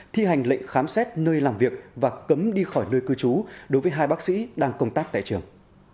thi hành lệnh khám xét nơi làm việc và cấm đi khỏi nơi cư trú đối với hai bác sĩ đang công tác tại trường